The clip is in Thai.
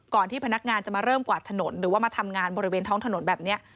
ที่พนักงานจะมาเริ่มกวาดถนนหรือว่ามาทำงานบริเวณท้องถนนแบบนี้